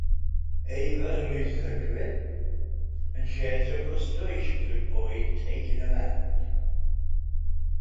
Ava loses her grip and shares her frustrations with Boyd taking her out.